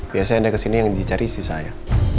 biasanya anda kesini yang dicari si saya